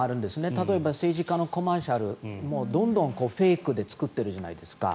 例えば、政治家のコマーシャルもどんどん、フェイクで作っているじゃないですか。